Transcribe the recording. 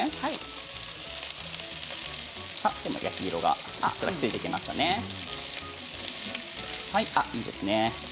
いいですね。